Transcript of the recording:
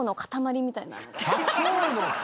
「砂糖の塊」